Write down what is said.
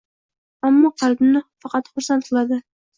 Ammo qalbni faqat xursand qiladi.